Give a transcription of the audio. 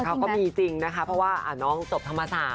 เขาก็มีจริงนะคะเพราะว่าน้องจบธรรมศาสต